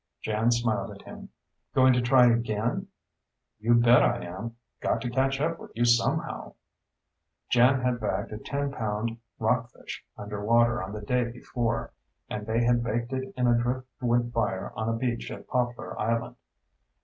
Jan smiled at him. "Going to try again?" "You bet I am. Got to catch up with you somehow." Jan had bagged a ten pound rockfish underwater on the day before, and they had baked it in a driftwood fire on a beach at Poplar Island.